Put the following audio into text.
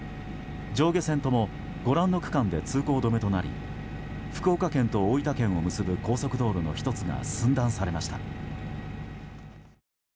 上下線ともご覧の区間で通行止めとなり福岡県と大分県を結ぶ高速道路の１つが寸断されました。